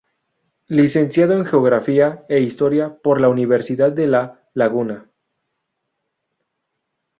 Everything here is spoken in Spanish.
Licenciado en Geografía e Historia por la Universidad de La Laguna.